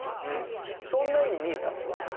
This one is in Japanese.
そんなように見えたんですね。